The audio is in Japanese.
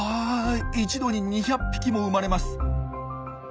一度に２００匹も生まれます。